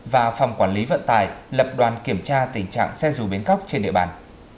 và phòng quản lý vận tải lập đoàn kiểm tra tình trạng xe dù bến cóc trên địa bàn